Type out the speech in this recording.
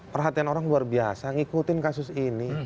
perhatian orang luar biasa ngikutin kasus ini